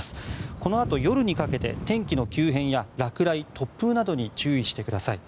このあと夜にかけて天気の急変や落雷、突風などに注意してください。